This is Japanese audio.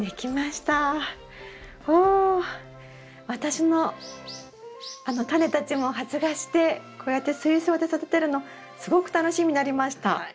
私のあのタネたちも発芽してこうやって水槽で育てるのすごく楽しみになりました。